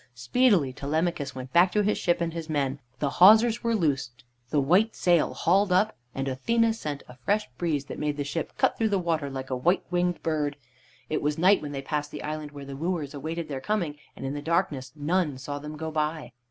Speedily Telemachus went back to his ship and his men. The hawsers were loosed, the white sail hauled up, and Athene sent a fresh breeze that made the ship cut through the water like a white winged bird. It was night when they passed the island where the wooers awaited their coming, and in the darkness none saw them go by.